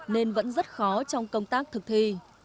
nên vẫn rất khó trong công tác thực thi